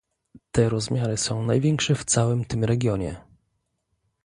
te rozmiary są największe w całym tym regionie